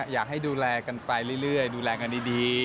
อยากให้ดูแลกันไปเรื่อยดูแลกันดี